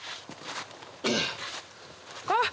あっ！